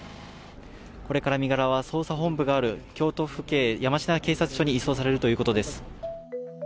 これから身柄は捜査本部がある京都府警山科警察署に移送されるということです。